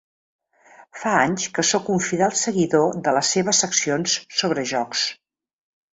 Fa anys que soc un fidel seguidor de les seves seccions sobre jocs.